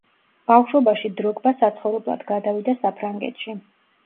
ბავშვობაში დროგბა საცხოვრებლად გადავიდა საფრანგეთში.